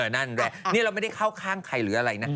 นั่นแหละเราไม่ได้เข้าข้างใครอะไร